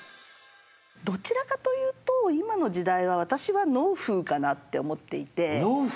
どちらかというと今の時代は私は「ノウフー」かなって思っていて。